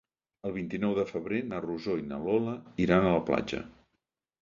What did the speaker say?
El vint-i-nou de febrer na Rosó i na Lola iran a la platja.